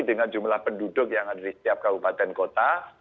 dengan jumlah penduduk yang ada di setiap kabupaten kota